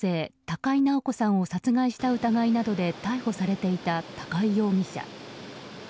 高井直子さんを殺害した疑いなどで逮捕されていた高井容疑者。